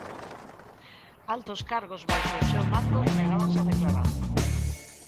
Altos cargos, baixo o seu mando, negábanse a declarar.